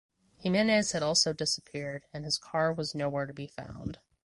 Jimenez had also disappeared and his car was nowhere to be found.